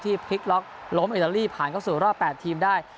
พลิกล็อกล้มอิตาลีผ่านเข้าสู่รอบ๘ทีมได้